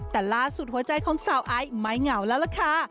แต่ล่าสุดหัวใจของสาวไอซ์ไม่เหงาแล้วล่ะค่ะ